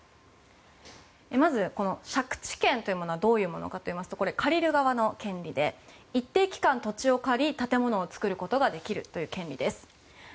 まず借地権というものはどういうものかと言いますとこれは、借りる側の権利で一定期間、土地を借り建物を作ることができるという権利です。